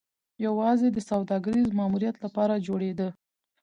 یوازې د سوداګریز ماموریت لپاره جوړېده